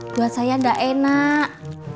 buat saya enggak enak